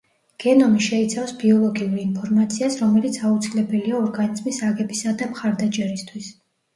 გენომი შეიცავს ბიოლოგიურ ინფორმაციას, რომელიც აუცილებელია ორგანიზმის აგებისა და მხარდაჭერისთვის.